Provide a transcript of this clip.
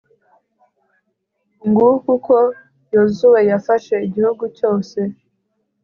ng'uko uko yozuwe yafashe igihugu cyose